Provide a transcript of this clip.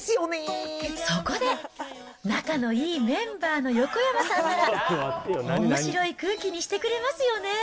そこで、仲のいいメンバーの横山さんなら、おもしろい空気にしてくれますよね。